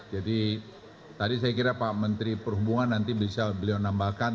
jadi tadi saya kira pak menteri perhubungan nanti bisa beliau nambahkan